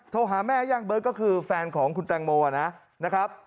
โทรหาแม่ย่างเบิร์ตก็คือแฟนของคุณแตงโมนะครับ